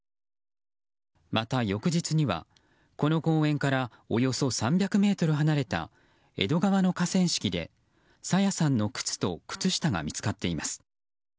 また、翌日にはこの公園からおよそ３００ｍ離れた江戸川の河川敷で、朝芽さんの靴と靴下が見つかっています。